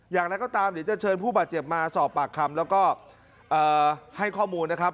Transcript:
อย่างไรก็ตามเดี๋ยวจะเชิญผู้บาดเจ็บมาสอบปากคำแล้วก็ให้ข้อมูลนะครับ